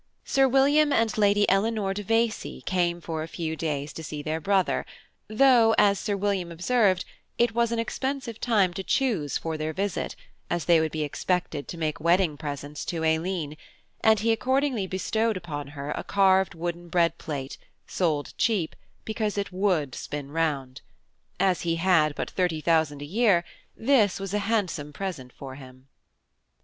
Sir William and Lady Eleanor de Vescie came for a few days to see their brother, though, as Sir William observed, it was an expensive time to choose for their visit, as they would be expected to make wedding presents to Aileen; and he accordingly bestowed upon her a carved wooden bread plate, sold cheap, because it would spin round. As he had but thirty thousand a year, this was a handsome present for him.